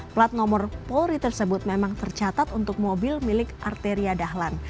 plat nomor polri tersebut memang tercatat untuk mobil milik arteria dahlan